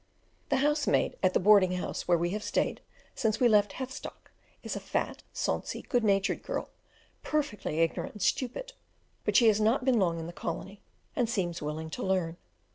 The housemaid at the boarding house where we have stayed since we left Heathstock is a fat, sonsy, good natured girl, perfectly ignorant and stupid, but she has not been long in the colony, and seems willing to learn.